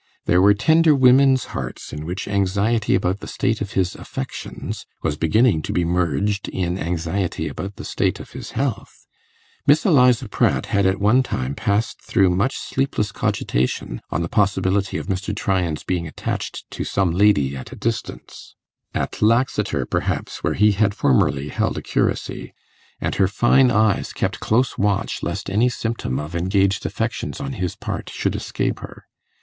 There were tender women's hearts in which anxiety about the state of his affections was beginning to be merged in anxiety about the state of his health. Miss Eliza Pratt had at one time passed through much sleepless cogitation on the possibility of Mr. Tryan's being attached to some lady at a distance at Laxeter, perhaps, where he had formerly held a curacy; and her fine eyes kept close watch lest any symptom of engaged affections on his part should escape her.